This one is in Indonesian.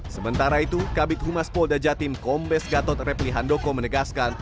sementara itu kabit humas polda jatim kombes gatot repli handoko menegaskan